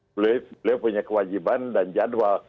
beliau punya kewajiban dan jadwal